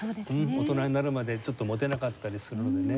大人になるまでちょっと持てなかったりするのでね。